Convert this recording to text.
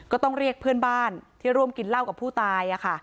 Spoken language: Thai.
ก็ต้องเรียกเพื่อนบ้านที่ร่วมกินเหล้ากับผู้ตาย